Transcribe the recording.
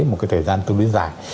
một cái thời gian tu lý dài